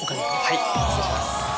はい失礼します。